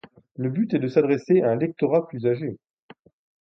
Le but est de s'adresser à un lectorat plus âgé.